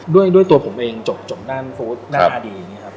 ด้วยตัวผมเองจบด้านฟู้ดด้านอดีต์